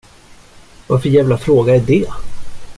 Vad för jävla fråga är det?